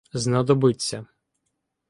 Знадобиться.